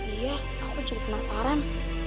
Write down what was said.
iya aku juga penasaran